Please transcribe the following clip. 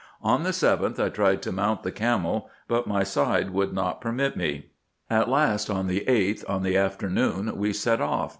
On the 7th, I tried to mount the camel, but my side would not permit me. At last, on the 8th, in the afternoon, we set off.